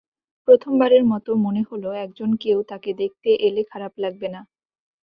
প্রথম বারের মতো মনে হলো একজন-কেউ তাঁকে দেখতে এলে খারাপ লাগবে না।